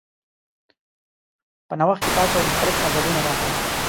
په نوښت کې تاسو مختلف نظرونه راخلئ.